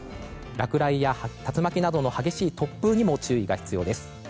落雷や竜巻などの激しい突風にも注意が必要です。